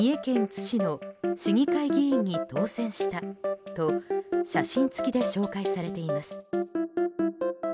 津市の市議会議員に当選したと写真付きで紹介されています。